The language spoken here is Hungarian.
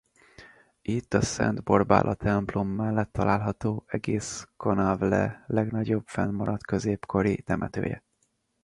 Itt a Szent Borbála templom mellett található egész Konavle legnagyobb fennmaradt középkori temetője.